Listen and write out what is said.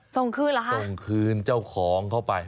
ส่งคืนเหรอคะส่งคืนเจ้าของเข้าไป